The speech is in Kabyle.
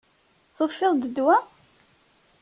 Tufiḍ-d ddwa?